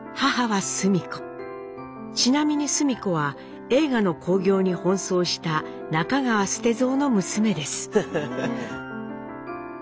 ちなみにスミ子は映画の興行に奔走した中川捨蔵の娘です。